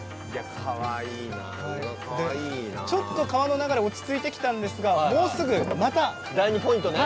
川の流れが落ち着いてきたんですがもうすぐまた第２ポイントで。